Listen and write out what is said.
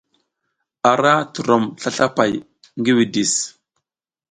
A ra turom slaslapay ngi widis.